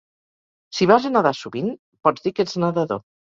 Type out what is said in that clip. Si vas a nadar sovint, pots dir que ets nadador.